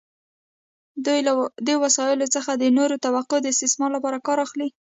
دوی له دې وسایلو څخه د نورو طبقو د استثمار لپاره کار اخلي.